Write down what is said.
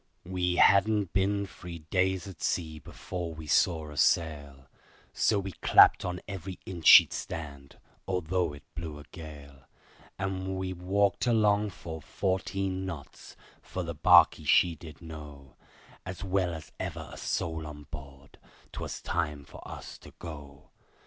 We hadn't been three days at sea before we saw a sail, So we clapped on every inch she'd stand, although it blew a gale, And we walked along full fourteen knots, for the barkie she did know, As well as ever a soul on board, 'twas time for us to go.